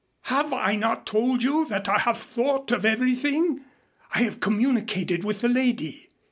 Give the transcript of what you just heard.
Have I not told you that I have thought of everything? I have communicated with the lady.